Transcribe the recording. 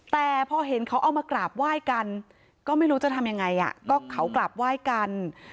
แต่พอเห็นเขาเอามากราบไหว้กันก็ไม่รู้จะทำยังไงก็เขากราบไหว้กัน